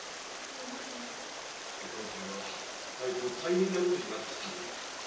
下手をすれば二人とも大変なことになっていたんだ。